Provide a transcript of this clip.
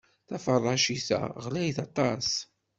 Taferracit-a ɣlayet aṭas.